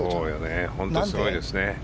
本当にすごいですね。